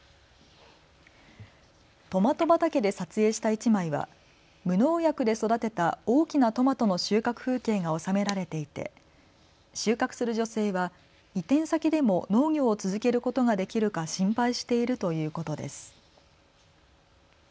トマト畑で撮影した１枚は無農薬で育てた大きなトマトの収穫風景が収められていて収穫する女性は移転先でも農業を続けることができるか心配しているということです。